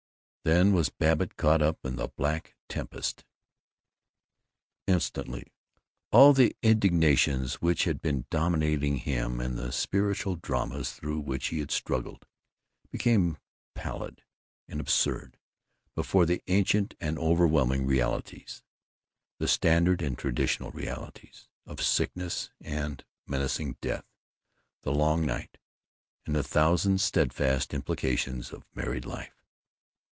Then was Babbitt caught up in the black tempest. Instantly all the indignations which had been dominating him and the spiritual dramas through which he had struggled became pallid and absurd before the ancient and overwhelming realities, the standard and traditional realities, of sickness and menacing death, the long night, and the thousand steadfast implications of married life.